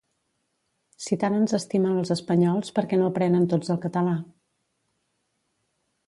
Si tant ens estimen els espanyols perquè no aprenen tots el català?